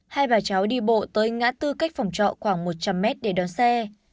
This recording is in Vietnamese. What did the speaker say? hai bà cháu đi bộ tới ngã tư cách phòng trọ khoảng một trăm linh mét để đón xe